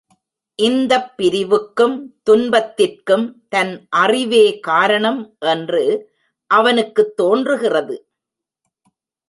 இந்தப் பிரிவுக்கும் துன்பத்திற்கும் தன் அறிவே காரணம் என்று அவனுக்குத் தோன்றுகிறது.